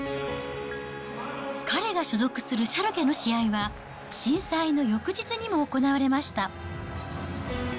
彼が所属するシャルケの試合は、震災の翌日にも行われました。